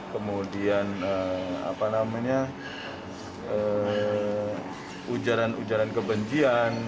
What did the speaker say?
kemudian apa namanya ujaran ujaran kebencian